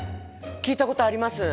聞いたことあります！